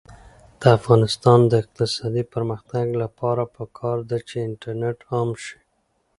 د افغانستان د اقتصادي پرمختګ لپاره پکار ده چې انټرنیټ عام شي.